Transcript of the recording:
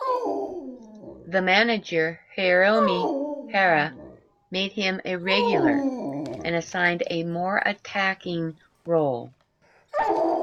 The manager Hiromi Hara made him a regular and assigned a more attacking role.